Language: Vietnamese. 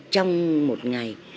trong một ngày